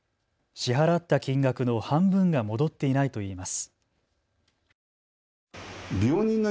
支払った金額の半分が戻っていないといいます。